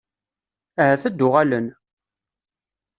Ahat ad d-uɣalen?